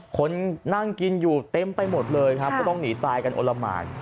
คนนั่งกินอยู่เต็มไปหมดเลยครับก็ต้องหนีตายกันโอละหมาน